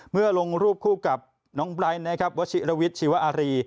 เมื่อลงรูปคู่กับน้องไบร์ทวัชิรวิชชีวาารี